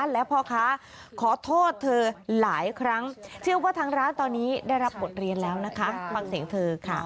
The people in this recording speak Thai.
และพ่อค้าขอโทษเธอหลายครั้งเชื่อว่าทางร้านตอนนี้ได้รับบทเรียนแล้วนะคะฟังเสียงเธอค่ะ